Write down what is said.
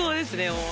もう。